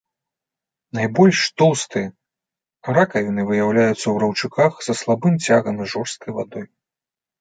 Найбольш тоўстыя ракавіны выяўляюцца ў раўчуках са слабым цягам і жорсткай вадой.